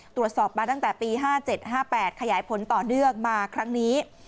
ตรวจสอบมาตั้งแต่ปี๕๗๕๘ขยายผลต่อเนื่องมาครั้งนี้